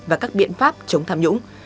và các biện pháp chống tham nhũng